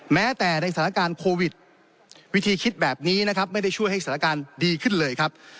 แม้แต่ในสถานการณ์โควิดวิธีคิดแบบนี้นะครับไม่ได้ช่วยให้สถานการณ์ดีขึ้นเลยครับ